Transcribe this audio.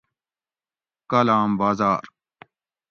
کالام بازار